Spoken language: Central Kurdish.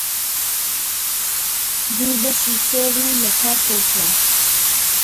دوو بەشی چۆل و لە کار کەوتووە